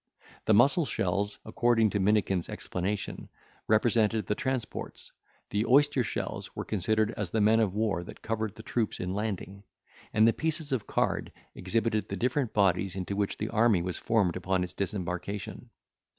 The mussel shells, according to Minikin's explanation, represented the transports, the oyster shells were considered as the men of war that covered the troops in landing, and the pieces of card exhibited the different bodies into which the army was formed upon its disembarkation.